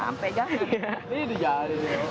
udah baso lu nggak nyari nyampe